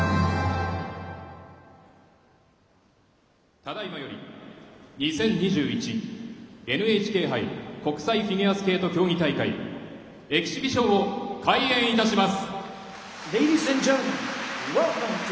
ただいまより２０２１ＮＨＫ杯国際フィギュアスケート大会エキシビションを開演いたします。